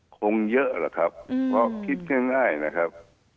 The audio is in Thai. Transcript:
คงเยอะนะครับก็คิดง่ายนะครับ